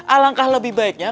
alangkah lebih baiknya